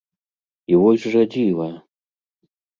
І вось жа дзіва!